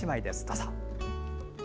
どうぞ。